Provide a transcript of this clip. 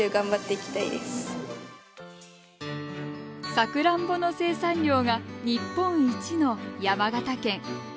さくらんぼの生産量が日本一の山形県。